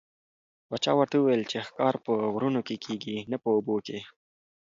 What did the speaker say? پاچا ورته وویل چې ښکار په غرونو کې کېږي نه په اوبو کې.